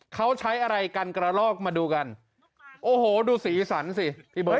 เขาใช้อะไรกันกระลอกมาดูกันโอ้โหดูสีสันสิพี่เบิร์